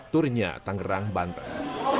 turnya tangerang banteng